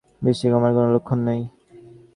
বৃষ্টি কমার কোনো লক্ষণ নেই।